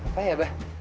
apaan ya abah